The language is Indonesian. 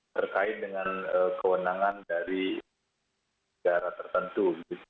terkait dengan kewenangan dari negara tertentu